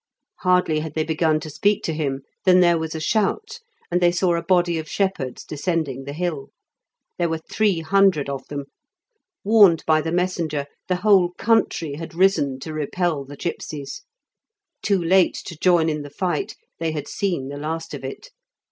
Hardly had they begun to speak to him than there was a shout, and they saw a body of shepherds descending the hill. There were three hundred of them; warned by the messenger, the whole country had risen to repel the gipsies. Too late to join in the fight, they had seen the last of it.